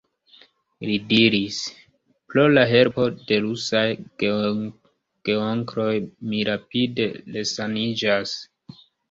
Li diris: Pro la helpo de rusaj geonkloj mi rapide resaniĝas.